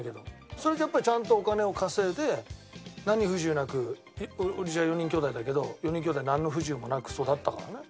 それでやっぱりちゃんとお金を稼いで何不自由なくうちは４人きょうだいだけど４人きょうだいなんの不自由もなく育ったからね。